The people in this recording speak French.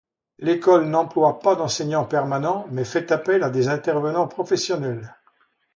L'école n'emploie pas d'enseignants permanents mais fait appel à des intervenants professionnels.